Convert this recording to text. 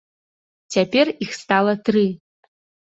Цяпер іх стала тры.